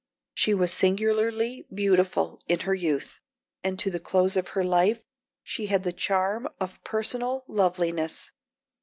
She was singularly beautiful in her youth, and to the close of her life she had the charm of personal loveliness.